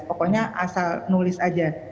pokoknya asal nulis aja